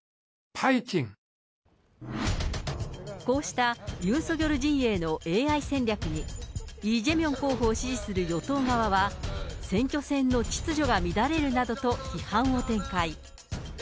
こうしたユン・ソギョル陣営のＡＩ戦略に、イ・ジェミョン候補を支持する与党側は、選挙戦の秩序が乱れるなどと批判を展開。